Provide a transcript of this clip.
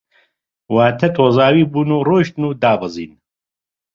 واتە تۆزاوی بوون و ڕۆیشتن و دابەزین